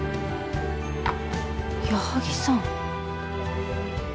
矢作さん。